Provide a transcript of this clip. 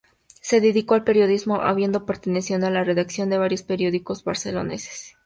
Se dedicó al periodismo, habiendo pertenecido a la redacción de varios periódicos barceloneses.